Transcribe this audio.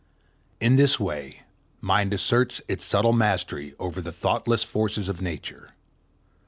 In this way mind asserts its subtle mastery over the thoughtless forces of Nature.